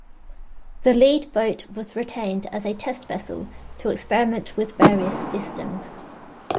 The lead boat was retained as a test vessel to experiment with various systems.